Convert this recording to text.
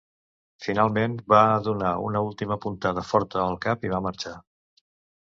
Finalment, va donar una última puntada forta al cap i va marxar.